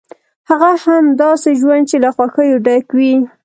هغه هم داسې ژوند چې له خوښیو ډک وي.